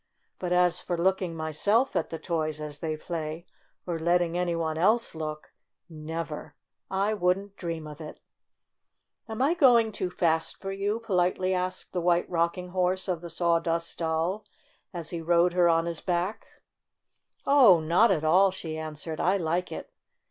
But as for looking myself at the toys as they play, or letting any one else look — never ! I wouldn 't dream of it ! "Am I going too fast for you?" politely asked the White Rocking Horse of the Sawdust Doll, as he rode her on his back. 12 STORY OF A SAWDUST DOLL "Oh, not at all," she answered. "I like it."